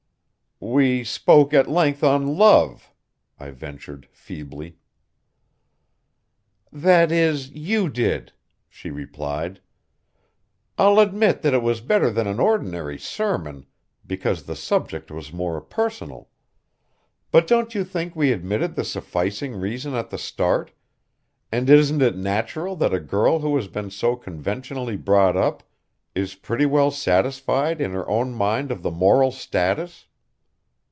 "We spoke at length on love," I ventured feebly. "That is, you did," she replied. "I'll admit that it was better than an ordinary sermon, because the subject was more personal. But don't you think we admitted the sufficing reason at the start, and isn't it natural that a girl who has been conventionally brought up is pretty well satisfied in her own mind of the moral status?